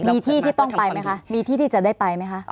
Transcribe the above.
มีที่ที่ต้องไปไหมคะมีที่ที่จะได้ไปไหมคะ